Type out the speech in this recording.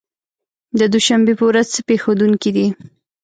د دوشنبې په ورځ څه پېښېدونکي دي؟